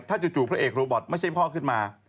ถ้าจู่พระเอกโรบอตไม่ใช่พ่อขึ้นมา